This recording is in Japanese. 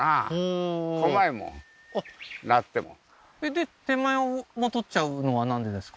で手前も取っちゃうのはなんでですか？